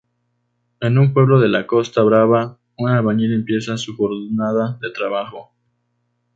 En un pueblo de la Costa Brava, un albañil empieza su jornada de trabajo.